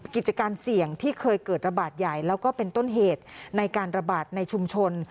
กิจการเสี่ยงที่เคยเกิดระบาดใหญ่แล้วก็เป็นต้นเหตุในการระบาดในชุมชน